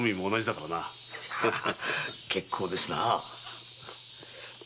結構ですなあ。